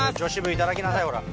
いただきなさいほら。